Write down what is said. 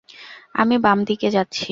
আমি বামদিকে যাচ্ছি।